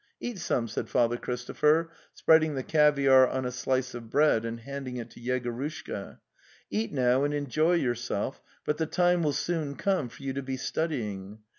'Eat some," said Father 'Christopher, spreading the caviare on a slice of bread and handing it to Yegorushka. '' Eat now and enjoy yourself, but the time will soon come for you to be studying.